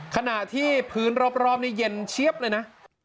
ขณะที่พื้นรอบนี้เย็นเชียบเลยนะ